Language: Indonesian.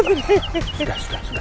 sudah sudah sudah